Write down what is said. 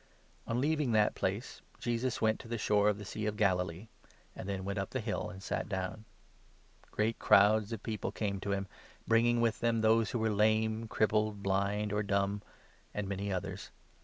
Jesus ^n leaving that place, Jesus went to the shore 29 cures'many of the Sea of Galilee ; and then went up the hill, Persons. ancj sa^ down. Great crowds of people came 30 to him, bringing with them those who were lame, crippled, blind, or dumb, and many others.